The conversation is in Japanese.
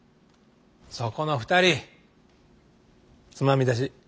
そこの２人つまみ出し。